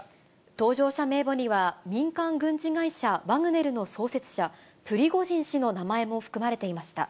搭乗者名簿には民間軍事会社、ワグネルの創設者、プリゴジン氏の名前も含まれていました。